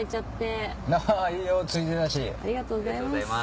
ありがとうございます。